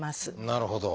なるほど。